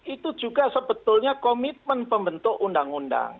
itu juga sebetulnya komitmen pembentuk undang undang